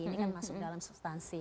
ini kan masuk dalam substansi